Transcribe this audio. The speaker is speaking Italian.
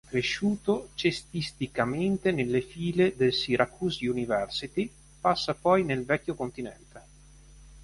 Cresciuto cestisticamente nelle file della Syracuse University, passa poi nel vecchio continente.